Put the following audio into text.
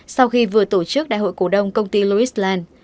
sau khi vừa tổ chức đại hội cổ đông công ty lewis land